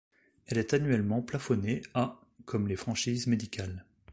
Elle est annuellement plafonnée à comme les franchises médicales.